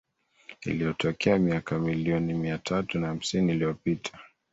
Iliyotokea miaka milioni mia tatu na hamsini iliyopita